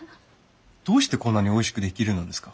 どうしてこんなにおいしくできるのですか？